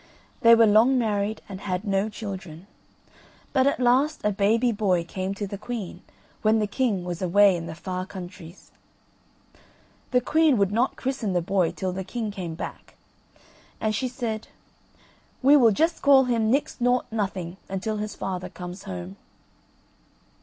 They were long married and had no children; but at last a baby boy came to the queen when the king was away in the far countries. The queen would not christen the boy till the king came back, and she said, "We will just call him Nix Nought Nothing until his father comes home."